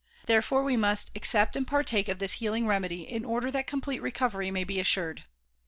Therefore we must accept and partake of this healing remedy in order that complete recovery may be assured.